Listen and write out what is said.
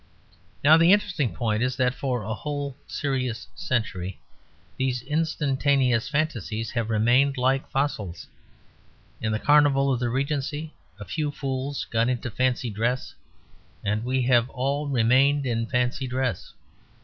Now, the interesting point is that for a whole serious century these instantaneous fantasies have remained like fossils. In the carnival of the Regency a few fools got into fancy dress, and we have all remained in fancy dress.